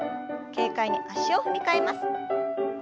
軽快に脚を踏み替えます。